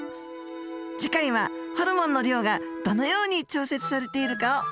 次回はホルモンの量がどのように調節されているかをお聞きします。